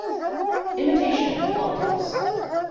Imitation politics